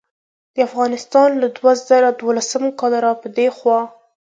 افغانستان له دوه زره دولسم کال راپه دې خوا